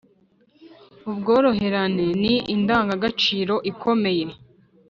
Ubworoherane ni indangagaciro ikomeye